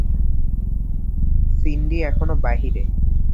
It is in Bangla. সিন্ডি এখনো বাইরে।